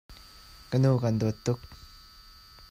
Ka nu kan dawt tuk.